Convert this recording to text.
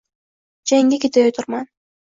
Jangga ketayotirman.